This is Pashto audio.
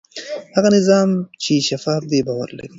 هغه نظام چې شفاف دی باور لري.